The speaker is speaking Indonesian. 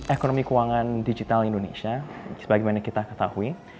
ekonomi keuangan digital indonesia sebagaimana kita ketahui